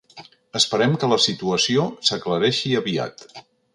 Esperem que la situació s’aclareixi aviat.